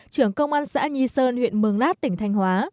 trưởng công an xã nhi sơn huyện mường lát tỉnh thanh hóa